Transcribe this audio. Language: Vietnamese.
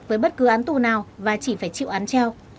với bất cứ án tù nào và chỉ phải chịu án treo